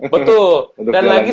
betul dan lagi